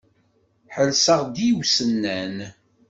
Ḥelseɣ-d i usennan.